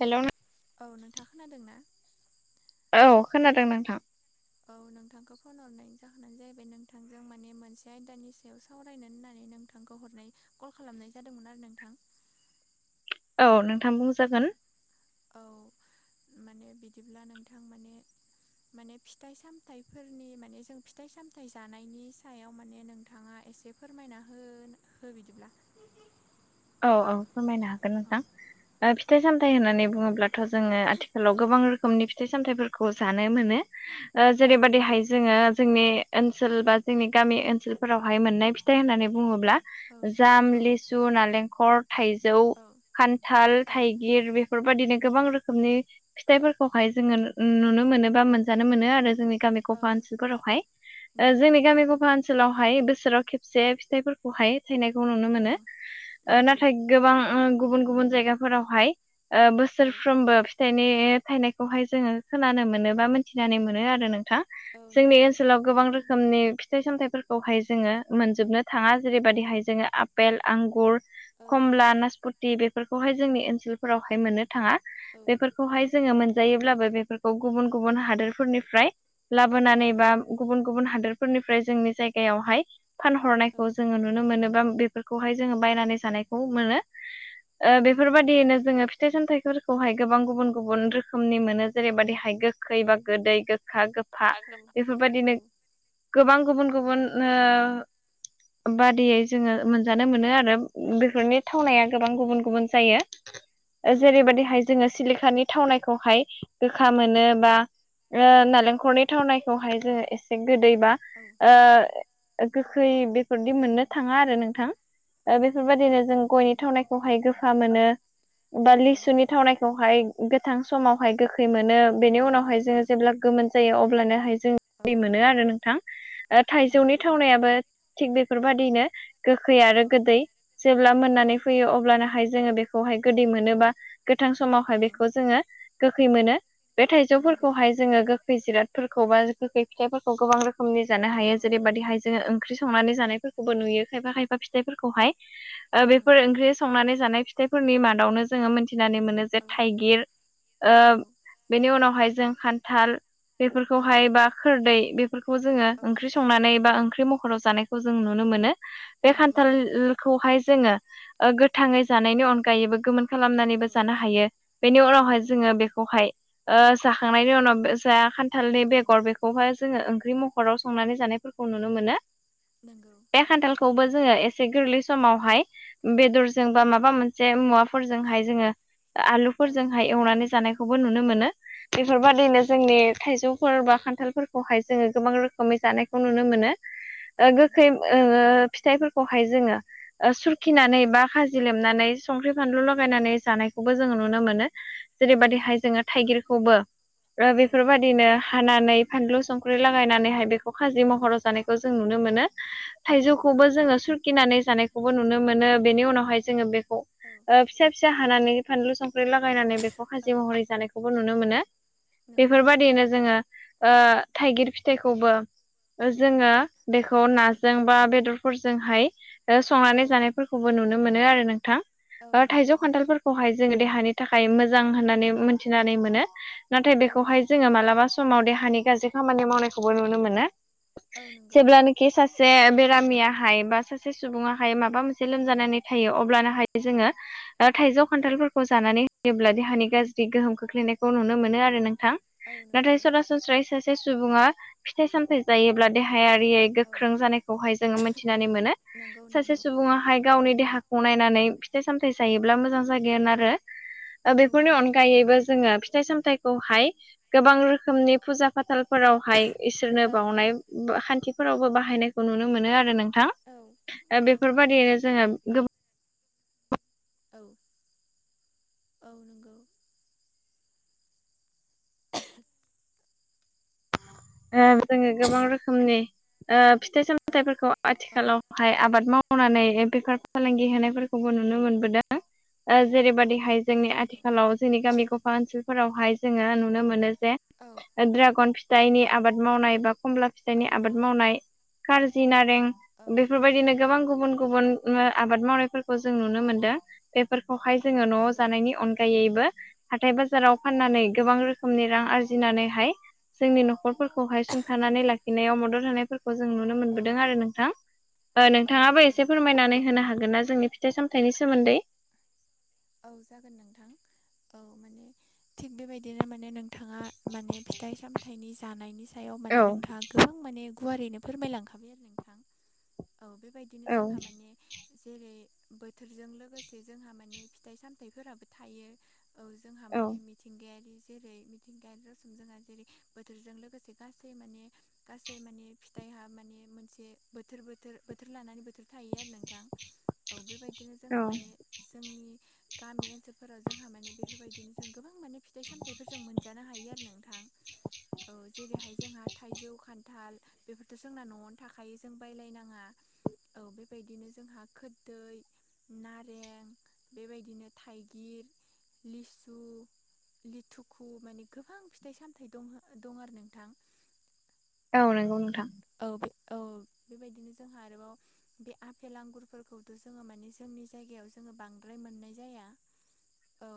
Hello नों औ नोंथा खोनादों ना? औ खोनादों नोंथां। औ नोंथांखौ फन हरनायनि जाहोनानो जाहैबाय नोंथांजों माने मोनसे आयदानि सायाव सावरायनो होन्नानै नोंथां नोंथांखौ हरनाय कल खालामनाय जादोंमोन आरो नोंथां। औ नोंथां बुंजागोन। औ माने बिदिब्ला नोंथां माने माने फिथाइ सामथाइफोरनि माने जों फिथाइ सामथाइ जानायनि सायाव माने नोंथाङा एसे फोरमायना होनो हो बिदिब्ला। औ औ औ फोरमायनो हागोन नोंथां दा फिथाइ सामथाइ होननानै बुङोब्लाथ' जोङो आथिखालाव गोबां रोखोमनि फिथाइ सामथाइफोरखौ जानो मोनो ओ जेरैबादि हा जोङो जोंनि ओनसोल बा जोंनि गामि ओनसोलफोरावहाय मोननाय फिथाइ होननानै बुङोब्ला जाम, औ लेसु, नालेंखर थाइजौ, औ खान्थाल, औ नंगौ औ थाइगिर बेफोरबायदिनो गोबां नंगौ रोखोमनि फिथाइफोरखौहाय जोङो नु- नुनो मोनो बा मोनजानो मोनो आरो जोंनि गामि औ गफा ओनसोलफोरावहाय ओ नंगौ जोंनि नोंथां गामि गफा ओनसोलावहाय बोसोराव खेबसे फिथाइफो खौहाय थैनायखौ नुनो औ मोनो। ओ नंगौ नाथाय गोबां उम गुबुन गुबुन जायगाफोरावहाय औ बोसोरफ्रोमबो फि फिथाइनि थाइनायखौहाय जोङो खोनानो मोनो बा मोनथिनानै मोनो आरो नोंथां। औ जोंनि नंगौ ओनसोलाव गोबां रोखोमनि फिथाइ सामथाइफोरखौहाय जोङो मोनजोबनो थाङा जेरैबादिहाय जोङो आफेल आंगुर औ कमला नासपति बेफोरखौहाय जोंनि ओनसोलफोरावहाय मोननो थाङा औ बेफोरखौ खौहाय जोङो मोनजायोब्लाबो बेफोरखौ गुबुन गुबुन हादोरफोरनिफ्राय औ लाबोनानै बा गुबुन गुबुन हादोरफोरनिफ्राय जोंनि जायगायावहाय औ फानहरनायखौ जोङो नुनो मोनो बा फोरखौहाय जोङो बायनानै जानायखौ मोनो ओ नंगौ बेफोरबायदियैनो जोङो फिथाइ सामथाइफोरखौहाय गोबां गुबुन गुबुन रोखोमनि मोनो जेरैबाददिहाय गोखै बा गोदै गोखा गो फा हा गोमा औ बेफोरबायदिनो गोबां गुबुन गुबुन ओ बादियै जोङो मोनजानो मोनो आरो। बेफोरनि थावनाया गोबां गुबुन गुबुन जायो औ जेरैबायदिाइ जोङो सिलिखानि थावनायखौहाय गोखा मोनो बा औ ओ नालेंखरनि थावनायखौहाय जोङो एसे गोदै बा औ। ओ गोखै बेफोरदि मोननो थाङा आरो नोंथां औ ओ बे नंगौ जों गयनि थावनायखौहाय गोफा मोनो बा नंगौ लिसुनि थावनायखौहाय गोथां समावहाय गोखै मोनो बेनि औ उनावहाय जोङो नंगौ जेब्ला गोमोन जायो अब्लानोहाय जों औ गोदै मोनो आरो नोंथां नंगौ थाइजौनि थावनायाबो थिग बेफोरबायदिनो गोखै आरो औ गोदै जेब्ला औ मोननानै फैयो अब्लानो हाय जोङो बेखौहाय गोदै मोनो बा गोथां औ समावहाय बेखौ जोङो गोखै मोनो। बे नंगौ थाइजौफोरखौहाय जोङो गोखै जिरादफोरखौ बा गोखै फिथाइफोरखौ गोबां रोखोम रोखोमनि जानो हायो औ जेरैबदिहाय जोङो ओंख्रि संनानै जानायफोरखौबो नुयो खायफा खायफा फिथाइफोरखौहाय ओ औ बेफोर नंगौ ओंख्रि संनानै जानाय फिथाइफोरनि मादावनो जोङो मोनन्थिनानै मोनो जे औ थाइगिर औ बेनि उनावहाय जों खान्थाल। बेफोरखौहाय बा औ खोरदै बेफोरखौ जोङो औ ओंख्रि संनानै बा ओंख्रि मा खराव जानायखौ जों नुनो मोनो बे नंगौ खान्थाल नंगौ खौहाय जोङो ओ गोथाङै जानायनि अनगायैबो गोमोन औ खालामनानैबो जानो हायो बेनि उनावहाय नंगौ जोङो बेखौहाय ओ जाखांनायनि उनाव जा खान्थालनि औ बेगर बेखौहाय औ जोङो ओंख्रि म महराव संनानै जानायफोरखौ नुनो मोनो। नोंगौ। बे खान्थालखौबो जोङो एसे गोरलै समावहाय बेदरजों बा माबा मोनसे मुवाफोरजोंहाय जोङो औ आलुफोरजोंहाय एवनानै जानायखौबो नुनो मोनो नंगौ बेफोरबायदिनो जोंनि थाइजौफोर बा खान्थालफोरखौहाय जोङो गोबां रोखोमै जानायखौ नुनो मोनो। औ ओ नंगौ गोखै ओ फिथाइफोरखौहाय जोङो ओ सुरखिनानै बा खाजि लेमनानै संख्रि फानलु औ लगायनानै जानायखौबो जोङो नुनो मोनो औ नंगौ जेरैबायदिहाय जोङो थाइगिरखौबो औ बेफोरबायदि बिनो हानानै फानलु संख्रि लागायनानैहाय बेखौ खाजि औ महराव जानाय खौ जों नुनो मोनो औ नंगौ थाइजौखौबो जोङो सुरखिनानै जानायखौबो नुनो मोनो बेनि उनावहाय जोङो बेखौ औ ओ फिसा फिसा हानानै फानलु संख्रि संख्रि लागायनानै बेखौ खाजि औ महरै जानायखौबो नुनो मोनो नंगौ बेफोरबायदियैनो जोङो ओ थाइगिर फिथाइखौबो जोङो बेखौ नाजों औ बा बेदर फोरजोंहाय औ संनानै जानायफोरखौबो नुनो मोनो आरो नोंथां औ नंगौ थाइजौ खान्थालफोर खौहाय जोङो देहानि थाखाय मोजां होननानै मोनथिनानै मोनो नाथाय बेखौहाय औ जोङो मालाबा समाव देहानि गाज्रि खामानि मावनायखौबो नुनो मोनो औ नंगौ जेब्लानाखि सासे बेरामियाहाय बा सासे सुबुङा हाय माबा मोनसे लोमजानानै औ थायो अब्लाना हाय जोङो थाइजौ औ खान्थालफोर खौ जानानै होयोब्ला देहानि गाज्रि गोहोम खोख्लैनायखौ नुनो मोनो आरो नोंथां औ नंगौ नाथाय सरा सनस्रायै सासे सुबुङा फिथाइ सामथाय जायोब्ला देहायारियै औ गोख्रों जानायखौहाय जोङो मिथिनानै मोनो नंगौ सासे नंगौ सुबुङा हाय गावनि देहाखौ नायनानै फिथाइ सामथाय जायोब्ला मोजां जागोनोन आरो औ बेफोरनि अनगा अनगायैबो जोङो फिथाइ सामथाइखौहाय गोबां रोखोमनि फुजा फाथालफोरावहाय इसोरनो औ बावनाय खान्थिफोरावबो बाहायनायखौ नुनो मोनो आरो नोंथां औ नंगौ नोंथां नंगौ बेफोरबायादियैनो जोङो गोबां औ औ नंगौ [inaudible] जोङो गोबां रोखोमनि ओ फिथाइ औ सामथायाइफोरखौ औ आथिखालाव हाय आबाद मावनानै बेफार फालांगि होनायफोरखौबो नुनो मोनबोदों ओ जेरैबायदिहाय औ जोंनि नंगौ आथिखालाव जोंनि गामि गफा ओनसोलफोरावहाय जोङो नुनो मोनो जे औ ड्रागन औ फिथाइनि आबाद मावनाय बा खमला फिथाइनि आबाद नंगौ मावनाय कारजि नारें औ बेफोरबायदिनो गोबां गुबुन गुबुन आबाद मावनायफोरखौ जों नुनो औ मोनदों बेफोरखौहाय जोङो न'आव नंगौ जानायनि अनगायैबो हाथाय बाजाराव औ फाननानै गोबां रोखोमनि रां आरजिनानैहाय जोंनि न'खरफोरखौहाय औ सुंथानानै लाखि नायाव मदद होनाय फोर खौ जों नुनो औ मोनबोदों आरो नोंथां ओ औ नोंथाङाबो नंगौ एसे नोंथां फोरमायनानै होनो हागोन ना जोंनि फि थाइ सामथाइनि सोमोन्दै औ जागोन नोंथां औ माने थिग बेबायदिनो माने नों नोंथाङा माने फिथाइ सामथाइनि जानायनि सायाव औ माने नोंथां गोबां माने गुवारैनो फोरमायलांखाबाय आरो नोंथां औ बेबायदिनो औ जोंहा माने जेरै बोथोरजों लोगोसे जोंहा माने फिथाइ सामथाइफोराबो थायो औ जोंहा औ माने मिथिंगायारि जेरै मिथिंगायारि [unintelligible] जोंहा जेरै बोथोरजों लोगोसे गासै माने गासै माने फिथाइहा माने मोनसे बोथोर बोथोर बोथोर लानानै बोथोर थायो आरो नोंथां औ बेबायदिनो जोंहा औ माने जोंनि गामि ओनसोलफोराव जोंहा माने बेफोरबायदिनो जों गोबां माने फिथाइ सामथाइफोर जों मोनजानो हायो आरो नोंथां औ जेरैहाय जोंहा थाइजौ खान्थाल बेफोरथ' जोंना न'आवनो थाखायो जों बायलायनाङा औ बेबायदिनो जोंहा खोरदै नारें बेबायदिनो थाइगिर लिसु लिथुखु माने गोबां फिथाइ सामथाइ दं दं आरो नोंथां [inaudible] औ नोंथां औ औ बेबायदिनो जोंहा आरोबाव बे आफेल आंगुरफोरखौथ' जोङो मानिे जोंनि जायगायाव जोङो बां द्राय मोननाय जाया औ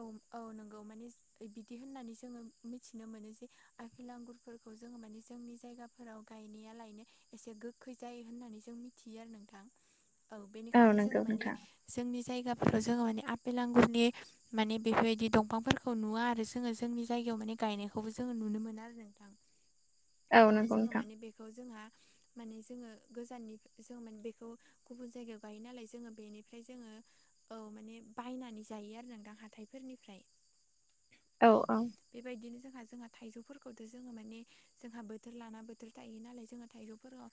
औ औ नोंगौ माने बिदि होननानै जोङो मिथिनो मोनो जे आफेल आंगुर फोरफोरखौ जोङो माने जोंनि जायगाफोराव गायनाया लायनो एसे गोखै जायो होननानै जों मिथियो आरो नोंथां [inaudible] औ औ बेनिखायनो जोंङो नंगौ माने नोंथां जोंनि जायगाफोराव जोङो माने आफेल आंगुरनि माने बेफोरबायदि दंफांफोरखौ खौ नुवा आरो जोङो जोंनि जायगायाव माने गायनायखौबो जोङो नुनो मोनो आरो नोंथां [inaudible] औ नंगौ जोङो नोंथां माने बेखौ जोंहा माने जोङो गोजाननि जों माने बेखौ गुबुन जायगायाव गायो नालाय जोङो बेनि ओमफ्राय जोङो औ माने बायनानै जायो आरो नोंथां हाथाइफोरनिफ्राय औ बेबायदिनो जोंहा जोंहा थाइजौफोरखौथ' जोङो माने जोंहा बोथोर लाना बोथोर थायो नालाय जोंङहा थाइजौफोराव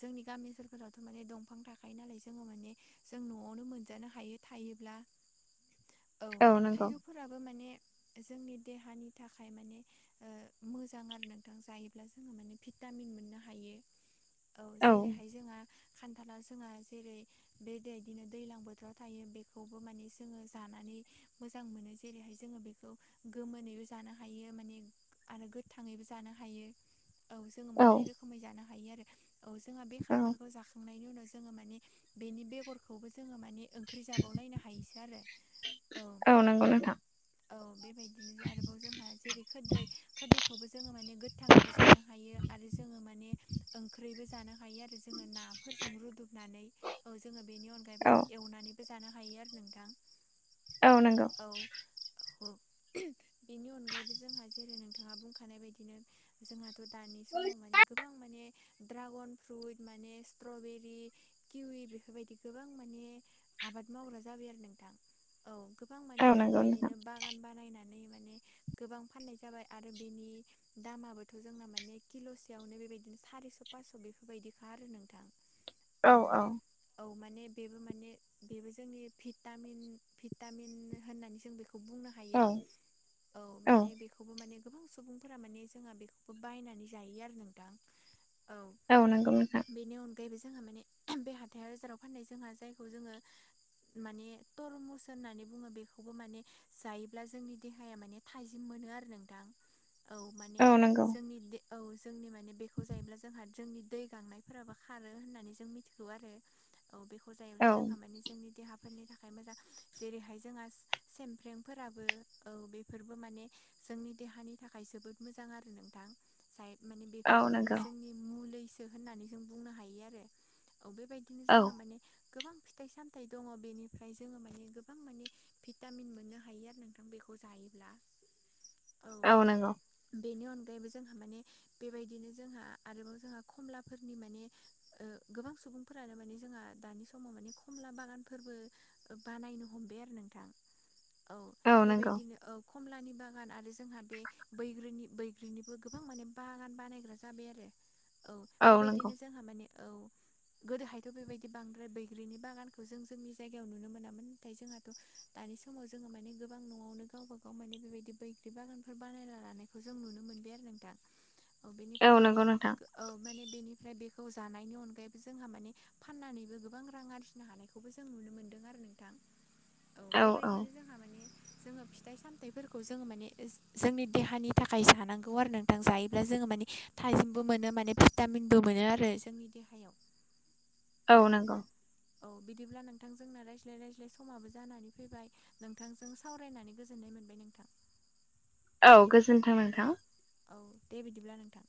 जोंनि गामि ओनसोलफोरावथ' माने दंफां थाखायो नालाय जोङो माने जों न'आव नआव नो मोनजानो हायो थायोब्ला। औ थाइजौ फोराबो माने जोंनि देहानि थाखाय माने मोजां आरो नोंथां जायोब्ला जोङो माने भिटामिन मोननो हायो औ जेरैहाय जोंहा खान्थला जोंहा जेरै बे दै बिदिनो दैज्लां बोथोराव थायो। बेखौबो माने जोङो जानानै मोजां मोनो जेरैहाय जोङो बेखौ गोमोनैबो जानो हायो माने आरो गोथाङैबो जानो हायो औ जोङो मोननै रोखोमै जानो हायो आरो औ जोंहा बे औ खान्थालखौ जाखां खांनायनि उनाव जोङो माने बेनि बेगरखौबो जोङो माने ओंख्रि जाबावलायनो हायोसो आरो। औ नंगौ नोंथां औ औ बेबायदिनो आरोबाव जोंहा जेरै खोरदै खोरदैखौबो जोङो माने गोथाङैबो जानो हायो आरो जोङो माने ओंख्रैबो जानो हायो आरो जोङो नाफोरजों रुदुबनानै औ जोङो बेनि अनगायैबो औ जों एवनानैबो जानो हायो आरो नोंथां औ नंगौ औ [unintelligible] बेनि अनगायैबो जोंहा जेरै नोंथाङा बुंखानाय बायदिनो जोंहाथ' दानि समाव माने गोबां माने ड्रागन फ्रुइट माने स्ट्रबेरि किउवि बेफोरबायदि गोबां माने आबाद मावग्रा जाबाय आरो नोंथां। औ गोबां माने औ नंगौ नोंथां बेफोरबायदिनो बा गान बानायनानै माने गोबां फाननाय जाबाय आरो बेनि दामाबोथ' जोंना माने किल'सेयावनो बेबायदिनो सारिस' पास्स' बेफोरबायदिखा आरो नोंथां [inaudible] औ औ माने बेबो माने बेबो जोंनि भिटामिन। भिटामिन होननानै जों बेखौ बुंनो हायो औ औ औ माने बेखौबो माने गोबां सुबुंफोरा माने जोंहा बेखौबो बायनानै जायो आरो नोंथां [inaudible] औ नंगौ नोंथां बेनि अनगायैबो जोंहा माने बे हा थायाव बाजाराव फाननाय जोंहा जायखौ जोङो माने तरमुसन होननानै बुङो। बेखौबो माने जायोब्ला जोंनि देहाया माने थाइजिम मोनो आरो नोंथां [inaudible] औ माने औ नंगौ जोंनि दे औ जोंनि माने बेखौ जायोब्ला जोंहा जोंनि दै गांनायफोराबो खारो होननानै जों मिथिगौ आरो औ बेखौ जायोब्ला औ जोंहा माने जोंनि देहाफोरनि थाखाय मोजां। जेरैहाय जोंहा सेमफ्रेमफोराबो औ बेफोरबो माने जोंनि देहानि थाखाय जोबोद मोजां आरो नोंथां जायो माने औ बेफोरबो माने नंगौ जोंनि मुलैसो होननानै जों बुंनो हायो आरो। औ बेबाय बिदिनो औ जोंहा माने गोबां फिथाइ सामथाइ दङ' बेनिफ्राय जोंङो माने गोबां माने भिटामिन मोननो हायो आरो नोंथां बेखौ जायोब्ला औ नंगौ बेनि अनगायैबो जोंहा माने बेबायदिनो जोंहा आरोबाव जोंहा खमलाफोरनि माने ओ गोबां सुबुंफोरानो माने जोंहा दानि समाव माने खमला बागानफोरबो बानायनो हमबाय आरो नोंथां औ बेबायदिनो औ खमलानि बागान आरो जोंहा बे बैग्रिनि बैग्रिनिबो गोबां माने बागान बानायग्रा जाबाय आरो औ बेबायदिनो जोंहा माने औ गोदोहायथ' बेबायदि बांद्राय बैग्रिनि बागानखौ जों जोंनि जायगायाव नुनो मोनामोन नाथाय जोंहाथ' दानि समाव जोंङो माने गोबां न'आवनो गावबा गाव माने बेबायदि बैग्रि बागानफोर बानाय लाना खौ जों नुनो मोनबाय आरो नोंथां औ बेनिफ्राय माने नंगौ नोंथां औ माने बेनिफ्राय बेखौ जानायनि अनगायैबो जोंहा माने फाननानैबो गोबां रां आरजिनो हानायखौबो जों नुनो मोन्दों आरो नोंथां औ बेबायदिनो जोंहा माने जोंङो फिथाइ सामथाइफोरखौ जोंङो माने जोंनि देहानि थाखाय जानांगौ आरो नोंथां जायोब्ला जोंङो माने थाइाजिमबो मोनो माने भिटामिनबो मोनो आरो जोंनि देहायाव औ औ बिदिब्ला नोंथांजोंना रायज्लाय रायज्लाय समाबो जानानै फैबाय नोंथांजों सावरायनानै गोजोन्नाय मोनबाय नोंथां औ गोजोन्थों औ नोंथां औ दे बिदिब्ला नोंथां